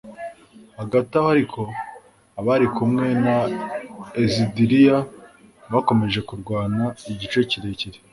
hagati aho ariko, abari kumwe na ezidiriya bakomeje kurwana igihe kirekire